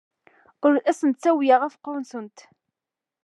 Ur asent-ttawyeɣ afecku-nsent.